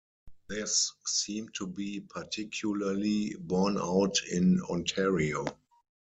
This seemed to be particularly born out in Ontario.